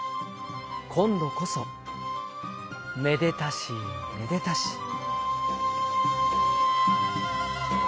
こんどこそめでたしめでたし。